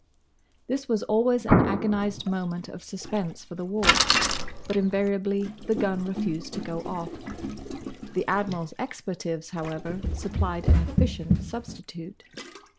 This was always an agonised moment of suspense for the Walk. But invariably the gun refused to go off. The Admiral's expletives, however, supplied an efficient substitute.